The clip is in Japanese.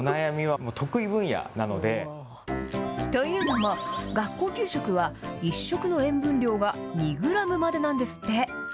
というのも、学校給食は、１食の塩分量が２グラムまでなんですって。